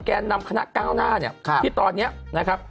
แกนนำคณะก้าวหน้าเนี่ยที่ตอนนี้นะครับ